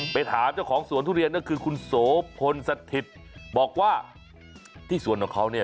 ไปถามเจ้าของสวนทุเรียนก็คือคุณโสพลสถิตบอกว่าที่สวนของเขาเนี่ย